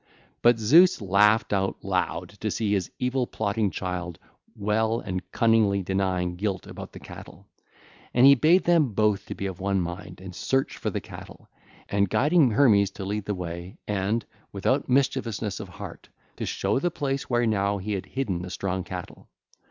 But Zeus laughed out loud to see his evil plotting child well and cunningly denying guilt about the cattle. And he bade them both to be of one mind and search for the cattle, and guiding Hermes to lead the way and, without mischievousness of heart, to show the place where now he had hidden the strong cattle.